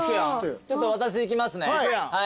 ちょっと私いきますね。